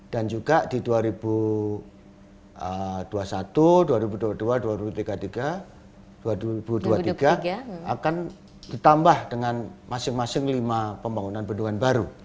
dan juga di dua ribu dua puluh satu dua ribu dua puluh dua dua ribu dua puluh tiga dua ribu dua puluh tiga akan ditambah dengan masing masing lima pembangunan bendungan baru